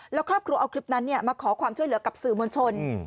แล้วครอบครัวเอาคลิปนั้นมาขอความช่วยเหลือกับสื่อมวลชน